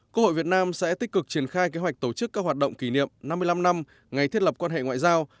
quốc hội việt nam sẽ tích cực triển khai kế hoạch tổ chức các hoạt động kỷ niệm năm mươi năm năm ngày thiết lập quan hệ ngoại giao